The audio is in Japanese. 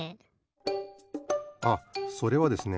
あそれはですね